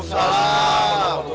nanti jadi atu